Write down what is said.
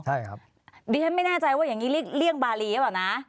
ใช่ครับดิฉันไม่แน่ใจว่าอย่างนี้เรียกบารีหรือเปล่านะ